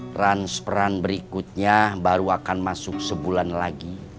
transferan berikutnya baru akan masuk sebulan lagi